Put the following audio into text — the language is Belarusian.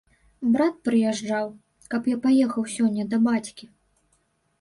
Брат прыязджаў, каб я паехаў сёння да бацькі.